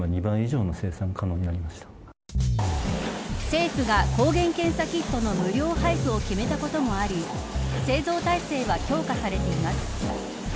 政府が抗原検査キットの無料配布を決めたこともあり製造体制が強化されています。